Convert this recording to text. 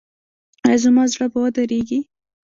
ایا زما زړه به ودریږي؟